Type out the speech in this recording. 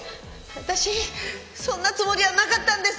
私そんなつもりはなかったんです。